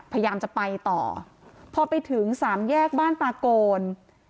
พยายามจะไปต่อพอไปถึงสามแยกบ้านตาโกน